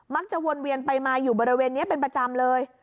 จะวนเวียนไปมาอยู่บริเวณนี้เป็นประจำเลย